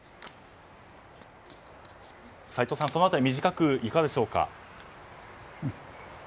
斎藤さん、その辺り短くいかがでしょうか？